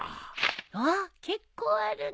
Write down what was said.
わあ結構あるね。